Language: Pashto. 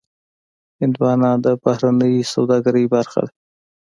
هندوانه د بهرنۍ سوداګرۍ برخه ده.